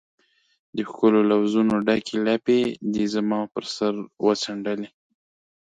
د ښکلو لفظونو ډکي لپې دي زما پر سر وڅنډلي